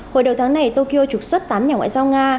hồi đầu tháng này tokyo trục xuất tám nhà ngoại giao nga